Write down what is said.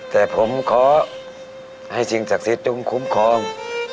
แต่ผมขอให้สิ่งศักดิ์สิทธิ์ต้องคุ้มครอง